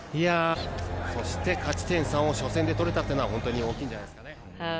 そして、勝ち点３を初戦で取れたというのは本当に大きいんじゃないですかね。